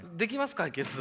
解決。